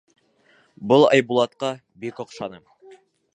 Был Айбулатҡа бик оҡшаны.